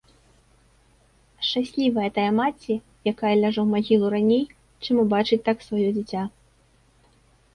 Шчаслівая тая маці, якая ляжа ў магілу раней, чым убачыць так сваё дзіця.